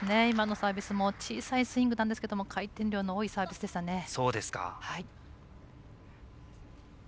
今のサービスも小さいスイングなんですけど回転量の多いサービスでしたね。